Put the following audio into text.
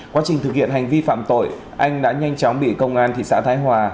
quá trình thực hiện hành vi phạm tội anh đã nhanh chóng bị công an thị xã thái hòa